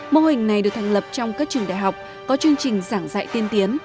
mô hình này được thành lập trong các trường đại học có chương trình giảng dạy tiên tiến